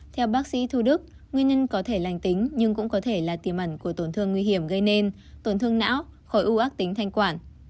theo bác sĩ thu đức nguyên nhân có thể lành tính nhưng cũng có thể là tiềm ẩn của tổn thương nguy hiểm gây nên tổn thương não khỏi u ác tính thanh quản